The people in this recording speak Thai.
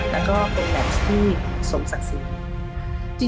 และเป็นแบบที่ส่งศักดิ์สิน